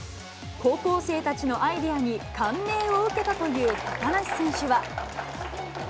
高校生たちのアイデアに感銘を受けたという高梨選手は。